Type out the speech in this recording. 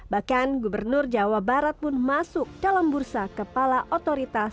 bahkan gubernur jawa barat pun masuk dalam bursa kepala otoritas